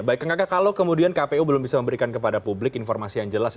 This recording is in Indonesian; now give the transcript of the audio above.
baik kang kakak kalau kemudian kpu belum bisa memberikan kepada publik informasi yang jelas